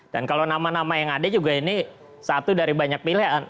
dan kalau nama nama yang ada juga ini satu dari banyak pilihan